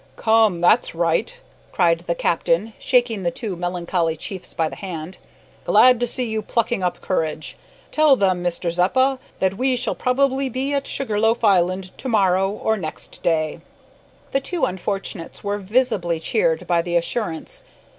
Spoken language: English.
"Come, that's right," cried the captain, shaking the two melancholy chiefs by the hand, "glad to see you plucking up courage. Tell them, Mr Zeppa, that we shall probably be at Sugar loaf Island to morrow, or next day." The two unfortunates were visibly cheered by the assurance.